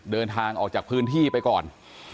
เดินทางออกจากพื้นที่ไปก่อน